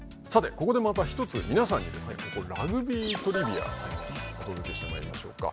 ここでまた一つ皆さんにですねラグビートリビアお届けしてまいりましょうか。